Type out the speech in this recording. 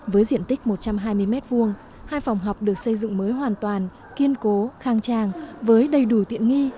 với diện tích một trăm hai mươi m hai hai phòng học được xây dựng mới hoàn toàn kiên cố khang trang với đầy đủ tiện nghi